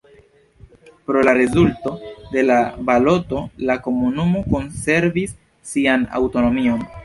Pro la rezulto de la baloto la komunumo konservis sian aŭtonomion.